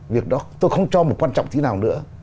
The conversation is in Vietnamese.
việc đó tôi không cho một quan trọng tí nào nữa